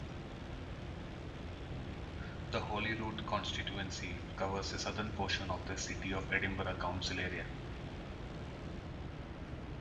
The Holyrood constituency covers a southern portion of the City of Edinburgh council area.